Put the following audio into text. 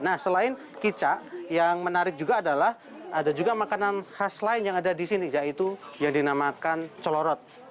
nah selain kicak yang menarik juga adalah ada juga makanan khas lain yang ada di sini yaitu yang dinamakan celorot